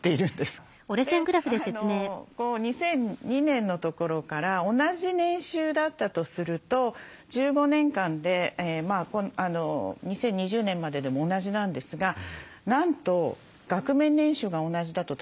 で２００２年のところから同じ年収だったとすると１５年間で２０２０年まででも同じなんですがなんと額面年収が同じだと